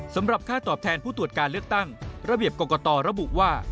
สำหรับค่าตอบแทนผู้ตรวจการเลือกตั้งระเบียบกรกตระบุว่า